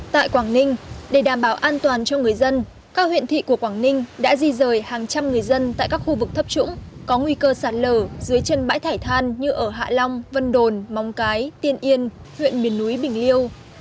tại quảng ninh để đảm bảo an toàn cho người dân các huyện thị của quảng ninh đã di rời hàng trăm người dân tại các khu vực thấp trũng có nguy cơ sạt lở dưới chân bãi thải than như ở hạ long vân đồn móng cái tiên yên huyện miền núi bình liêu